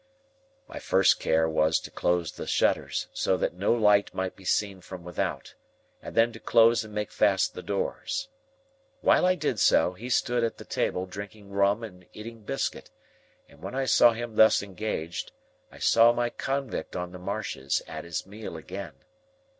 My first care was to close the shutters, so that no light might be seen from without, and then to close and make fast the doors. While I did so, he stood at the table drinking rum and eating biscuit; and when I saw him thus engaged, I saw my convict on the marshes at his meal again.